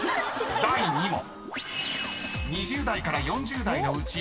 ［第２問］